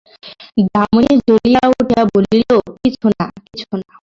দামিনী জ্বলিয়া উঠিয়া বলিল, কিছু না, কিছু না!